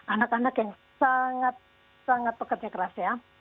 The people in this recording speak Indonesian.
anak anak yang sangat sangat pekerja keras ya